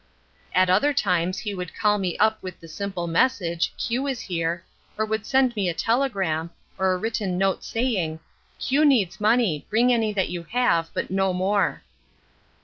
At other times he would call me up with the simple message, "Q is here," or would send me a telegram, or a written note saying, "Q needs money; bring any that you have, but no more."